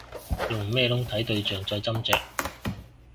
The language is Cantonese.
用咩窿睇對象再斟酌